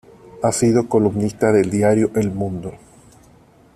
Ha sido columnista del diario "El Mundo.